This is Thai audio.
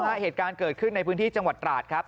เหตุการณ์เกิดขึ้นในพื้นที่จังหวัดตราดครับ